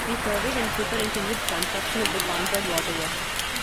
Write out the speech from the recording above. He surveyed and superintended the construction of the Concord water-works.